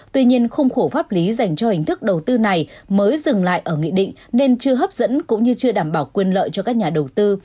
tuy nhiên khung khổ pháp lý dành cho hình thức đầu tư này mới dừng lại ở nghị định nên chưa hấp dẫn cũng như chưa đảm bảo quyền lợi cho các nhà đầu tư